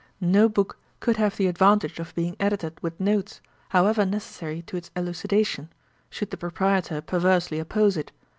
No book could have the advantage of being edited with notes, however necessary to its elucidation, should the proprietor perversely oppose it.